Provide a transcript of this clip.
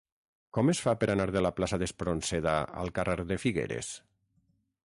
Com es fa per anar de la plaça d'Espronceda al carrer de Figueres?